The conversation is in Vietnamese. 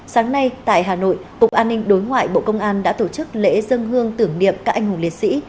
sáng nay tại hà nội cục an ninh đối ngoại bộ công an đã tổ chức lễ dân hương tưởng niệm các anh hùng liệt sĩ